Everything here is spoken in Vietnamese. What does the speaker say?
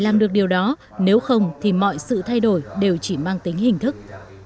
làm được điều đó nếu không thì mọi sự thay đổi đều chỉ mang tính hình thức